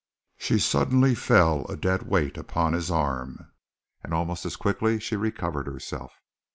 She suddenly fell a dead weight upon his arm, and almost as quickly she recovered herself.